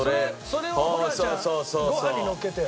それをホランちゃんご飯にのっけてよ。